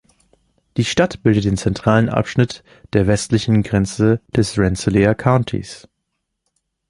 Die Stadt bildet den zentralen Abschnitt der westlichen Grenze des Rensselaer Countys.